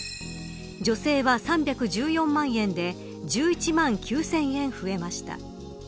女性は３１４万円で１１万９０００円増えました。